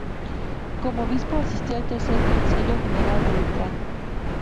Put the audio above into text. Como obispo asistió al tercer concilio general de Letrán.